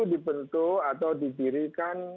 dibentuk atau didirikan